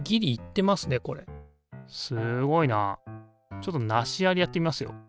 ちょっとナシアリやってみますよ。